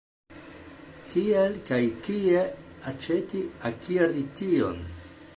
Kiel kaj kie aĉeti, akiri tion?